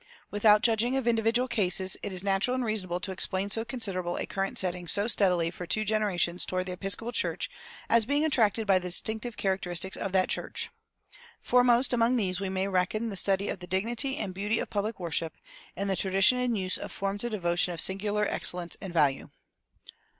Without judging of individual cases, it is natural and reasonable to explain so considerable a current setting so steadily for two generations toward the Episcopal Church as being attracted by the distinctive characteristics of that church. Foremost among these we may reckon the study of the dignity and beauty of public worship, and the tradition and use of forms of devotion of singular excellence and value.